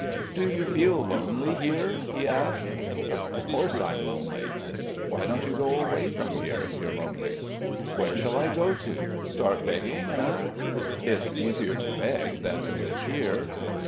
"Do you feel lonely here?" he asked. "Of course I'm lonely." "Why don't you go away from here, if you're lonely?" "Where shall I go to? Start begging, eh?" "It's easier to beg than to live here."